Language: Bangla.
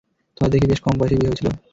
তোমাদের দেখি বেশ কমবয়সেই বিয়ে হয়েছিল।